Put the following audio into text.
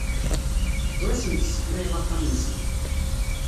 Ur asent-sseḥmayeɣ axxam-nsent.